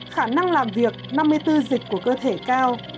khả năng làm việc năm mươi bốn dịch của cơ thể cao